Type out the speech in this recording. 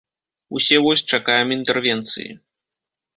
Усе вось чакаем інтэрвенцыі.